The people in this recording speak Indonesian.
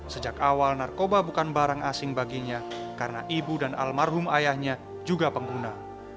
sejak awal narkoba bukan barang asing baginya karena ibu dan almarhum ayahnya juga pengguna